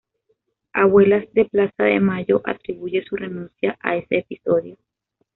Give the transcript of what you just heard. Abuelas de Plaza de Mayo atribuye su renuncia a ese episodio.